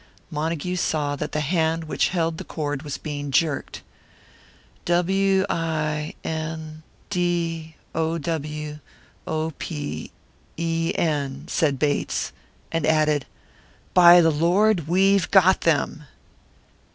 Montague saw that the hand which held the cord was being jerked. "W i n d o w o p e n," said Bates; and added, "By the Lord! we've got them!"